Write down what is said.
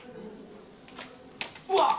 うわっ。